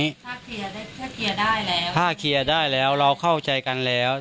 ถ้าเคลียร์ได้ถ้าเคลียร์ได้แล้วถ้าเคลียร์ได้แล้วเราเข้าใจกันแล้ว